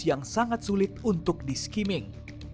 yang sangat sulit untuk di skimming